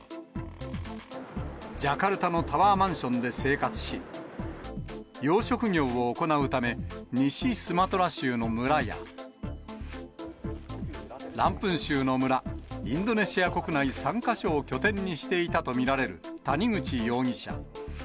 ジャカルタのタワーマンションで生活し、養殖業を行うため、西スマトラ州の村や、ランプン州の村、インドネシア国内３か所を拠点にしていたと見られる谷口容疑者。